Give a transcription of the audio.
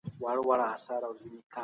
دا توليد بايد په ځانګړې موده کي ترسره سي.